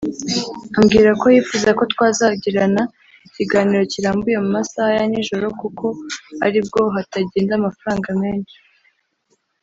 ambwira ko yifuza ko twazagirana ikiganiro kirambuye mu masaha ya nijoro kuko ari bwo hatagenda amafaranga menshi